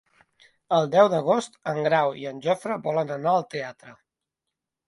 El deu d'agost en Grau i en Jofre volen anar al teatre.